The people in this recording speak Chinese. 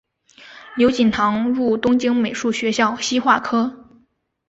刘锦堂入东京美术学校西画科